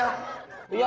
main tinggalin saja